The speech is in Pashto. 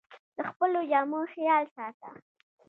د خپلو جامو خیال ساته